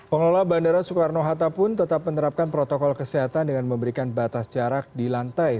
pengelola bandara soekarno hatta pun tetap menerapkan protokol kesehatan dengan memberikan batas jarak di lantai